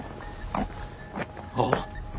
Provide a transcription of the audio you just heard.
あっ。